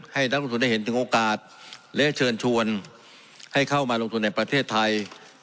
ให้นักลงทุนได้เห็นถึงโอกาสและเชิญชวนให้เข้ามาลงทุนในประเทศไทย